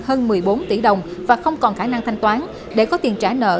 hơn một mươi bốn tỷ đồng và không còn khả năng thanh toán để có tiền trả nợ